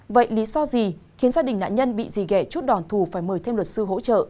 vậy lý do gì khiến gia đình nạn nhân bị dì ghẻ chút đòn thù phải mời thêm luật sư hỗ trợ